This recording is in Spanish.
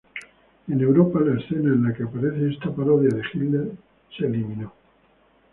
En Europa, la escena en la que aparece esta parodia de Hitler fue eliminada.